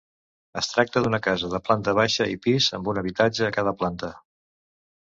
Es tracta d'una casa de planta baixa i pis amb un habitatge a cada planta.